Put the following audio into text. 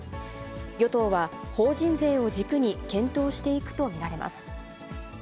与党は、法人税を軸に検討していくと見られます。